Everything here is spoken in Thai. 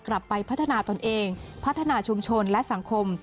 กลับไปพัฒนาตนเองพัฒนาชุมชนและสังคม